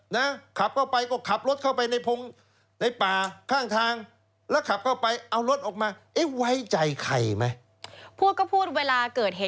นะขับเข้าไปก็ขับรถเข้าไปในภูมิ